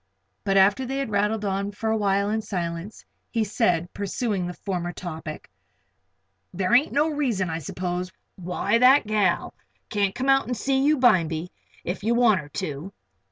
But after they had rattled on for a while in silence, he said, pursuing the former topic: "There ain't no reason, I s'pose, why that gal can't come out an' see you bimeby, if you want her to."